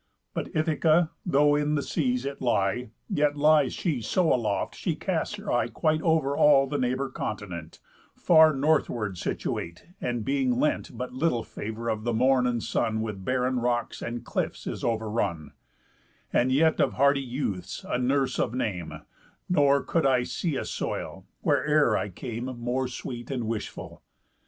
But Ithaca, though in the seas it lie, Yet lies she so aloft she casts her eye Quite over all the neighbour continent; Far northward situate, and, being lent But little favour of the morn and sun, With barren rocks and cliffs is over run; And yet of hardy youths a nurse of name; Nor could I see a soil, where'er I came, More sweet and wishful.